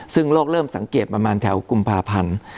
ซึ่งโลกเริ่มสังเกตประมาณแถวกุมภาพันธ์